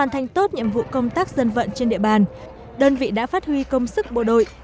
trong vụ công tác dân vận trên địa bàn đơn vị đã phát huy công sức bộ đội